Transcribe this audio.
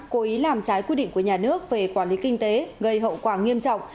cố ý làm trái quy định của nhà nước về quản lý kinh tế gây hậu quả nghiêm trọng